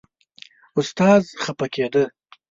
استاد خپه کېده.